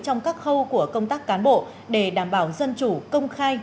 trong các khâu của công tác cán bộ để đảm bảo dân chủ công khai